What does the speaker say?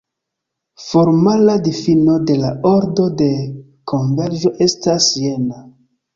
Formala difino de la ordo de konverĝo estas jena.